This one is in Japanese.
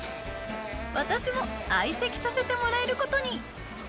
私も相席させてもらえることに。